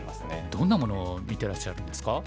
どんなものを見てらっしゃるんですか？